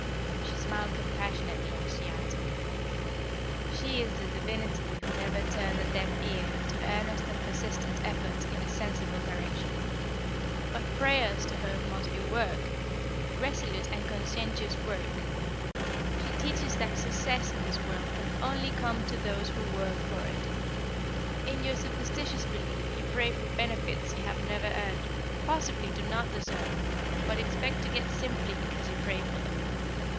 She smiled compassionately as she answered: "She is the divinity who never turned a deaf ear to earnest and persistent effort in a sensible direction. But prayers to her must be work, resolute and conscientious work. She teaches that success in this world can only come to those who work for it. In your superstitious belief you pray for benefits you have never earned, possibly do not deserve, but expect to get simply because you pray for them.